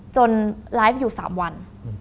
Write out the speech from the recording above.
ไลฟ์อยู่๓วัน